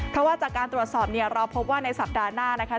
เพราะว่าจากการตรวจสอบเนี่ยเราพบว่าในสัปดาห์หน้านะคะ